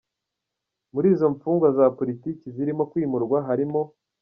Muri izo mfungwa za politiki zirimo kwimurwa harimo: